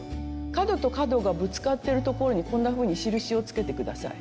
角と角がぶつかってるところにこんなふうに印をつけて下さい。